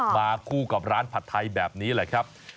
มาคู่กับร้านผัดไทยแบบนี้แหละครับ